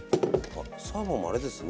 サーモンもあれですね。